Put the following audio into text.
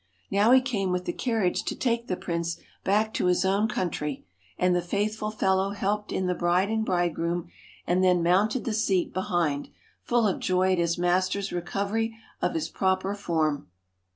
Now he came with the carriage to take the prince back to his own country, and the faithful fellow 234 helped In the bride and bridegroom, and then THE mounted the seat behind, full of joy at his master's recovery of his proper form.